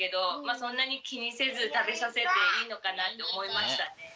そんなに気にせず食べさせていいのかなって思いましたね。